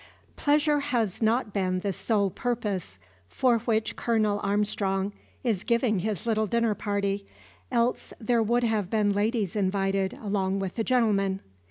Pleasure has not been the sole purpose for which Colonel Armstrong is giving his little dinner party, else there would have been ladies invited along with the gentlemen.